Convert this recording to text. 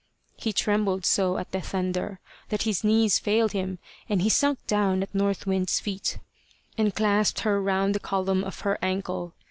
He trembled so at the thunder, that his knees failed him, and he sunk down at North Wind's feet, and clasped her round the column of her ankle.